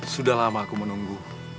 sudah lama aku menunggu